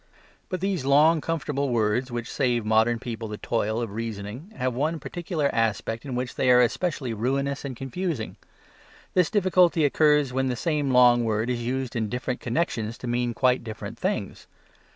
But these long comfortable words that save modern people the toil of reasoning have one particular aspect in which they are especially ruinous and confusing. This difficulty occurs when the same long word is used in different connections to mean quite different things.